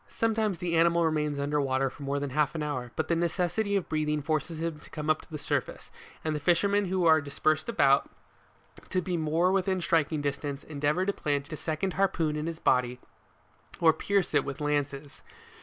Sometimes the animal remains under water more than half an hour; but the necessity of breathing forces him to come to the surface, and the fishermen who are dispersed about, to be more within striking distance, endeavour to plant a second harpoon in his body or pierce it with lances.